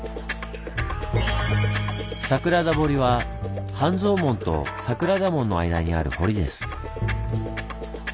桜田堀は半蔵門と桜田門の間にある堀です。